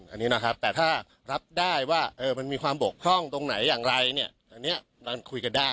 อันนี้นะครับแต่ถ้ารับได้ว่ามันมีความบกพร่องตรงไหนอย่างไรเนี่ยอันนี้เราคุยกันได้